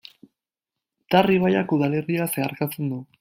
Tar ibaiak udalerria zeharkatzen du.